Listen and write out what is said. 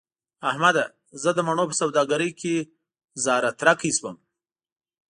احمده! زه د مڼو په سوداګرۍ کې زهره ترکی شوم.